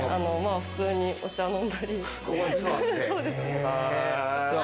普通にお茶を飲んだり。